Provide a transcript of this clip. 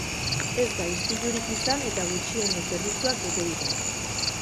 Ez da istilurik izan eta gutxiengo zerbitzuak bete dira.